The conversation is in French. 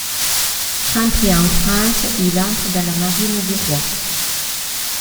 Rentré en France, il entre dans la Marine du Roi.